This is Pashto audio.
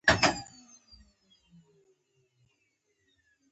وراثت قوانين عواقب رامنځ ته کوي.